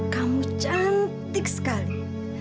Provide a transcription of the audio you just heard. kamu cantik sekali